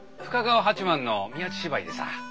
深川八幡の宮地芝居でさ。